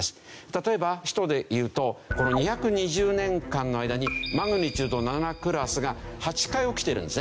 例えば首都でいうとこの２２０年間の間にマグニチュード７クラスが８回起きてるんですね。